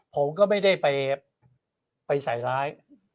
ผมก็ไม่ได้ไปใส่ร้าย